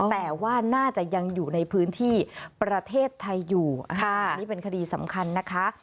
แต่ว่าน่าจะยังอยู่ในพื้นที่ประเทศไทยอยู่อันนี้เป็นคดีสำคัญนะคะ